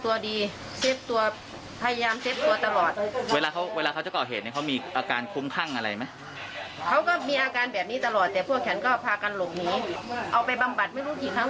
มีค่ะฉันได้โดน๒ครั้งเอามีดไปที่ฉันที่ปั๊มน้ำมัน